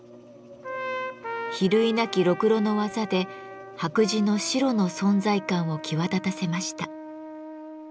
比類なきろくろの技で白磁の白の存在感を際立たせました。